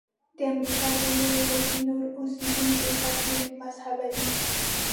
د امریکا د لویې وچې نور اوسیدونکي کاتولیک مذهبه دي.